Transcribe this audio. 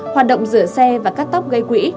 hoạt động rửa xe và cắt tóc gây quỹ